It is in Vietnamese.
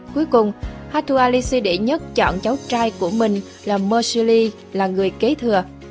cuối cùng hattuasili i chọn cháu trai của mình là murshili là người kế thừa